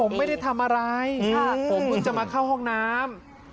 ผมไม่ได้ทำอะไรผมเพิ่งจะมาเข้าห้องน้ำ